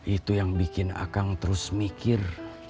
itu yang bikin akang terus mikir